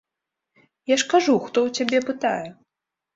Я ж кажу, хто ў цябе пытае?